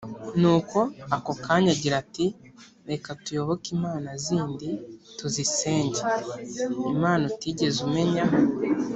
nuko akakoshya agira ati «reka tuyoboke imana zindi, tuzisenge», imana utigeze umenya,